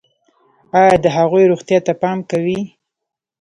ایا د هغوی روغتیا ته پام کوئ؟